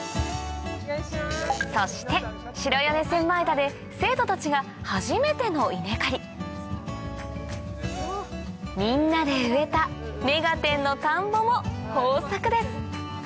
そして白米千枚田で生徒たちが初めての稲刈りみんなで植えた『目がテン！』の田んぼも豊作です